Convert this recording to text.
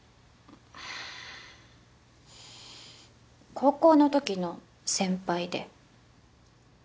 高校の時の先輩で。